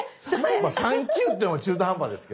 まあ３級っていうのも中途半端ですけどね。